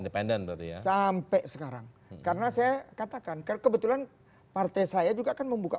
independen berarti ya sampai sekarang karena saya katakan karena kebetulan partai saya juga akan membuka